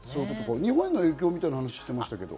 日本への影響みたいな話をしてましたけど。